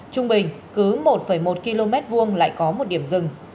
trung bình cứ một một km hai lại có một điểm rừng